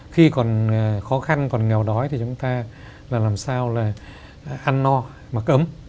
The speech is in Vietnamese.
khi còn khó khăn còn nghèo đói thì chúng ta làm sao là ăn no mặc ấm